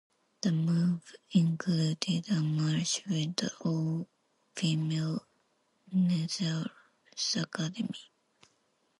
The move included a merge with the all-female Nazareth Academy.